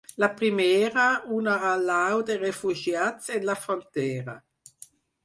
La primera, una allau de refugiats en la frontera.